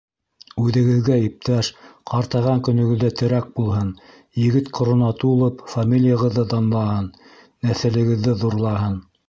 Үҙегеҙгә иптәш, ҡартайған көнөгөҙҙә терәк булһын, егет ҡорона тулып, фамилияғыҙҙы данлаһын, нәҫелегеҙҙе ҙурлаһын!